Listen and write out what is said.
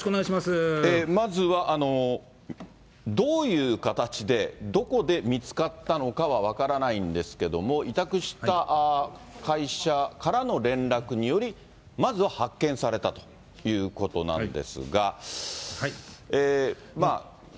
まずはどういう形でどこで見つかったのかは分からないんですけども、委託した会社からの連絡により、まずは発見されたということなんですが。